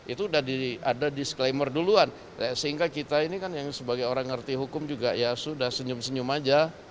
itu sudah ada disclaimer duluan sehingga kita ini kan yang sebagai orang ngerti hukum juga ya sudah senyum senyum aja